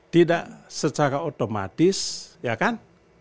tidak secara otomatis ya kan